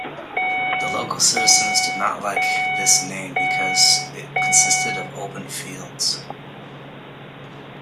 The local citizens did not like this name because it consisted of open fields.